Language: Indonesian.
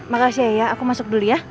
makasih ya aku masuk dulu ya